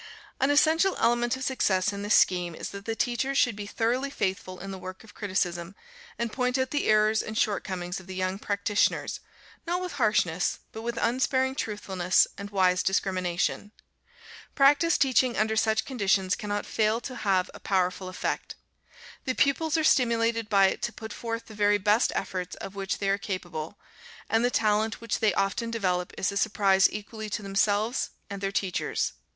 An essential element of success in this scheme, is that the teachers should be thoroughly faithful in the work of criticism, and point out the errors and shortcomings of the young practitioners, not with harshness, but with unsparing truthfulness and wise discrimination. Practice teaching under such conditions cannot fail to have a powerful effect. The pupils are stimulated by it to put forth the very best efforts of which they are capable, and the talent which they often develop is a surprise equally to themselves and their teachers.